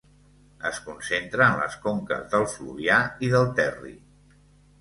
Es concentra en les conques del Fluvià i del Terri.